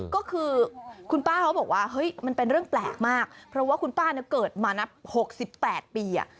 ก็คือคุณป้าเขาบอกว่าเฮ้ยมันเป็นเรื่องแปลกมากเพราะว่าคุณป้าเนี่ยเกิดมานับ๖๘ปี